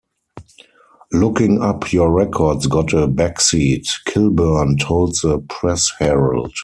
Looking up your records got a backseat," Kilburn told the "Press-Herald".